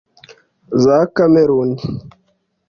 za Kameruni